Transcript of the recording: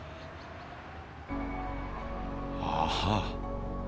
ああ。